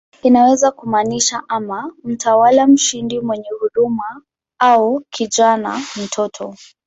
Inaweza kumaanisha ama "mtawala mshindi mwenye huruma" au "kijana, mtoto".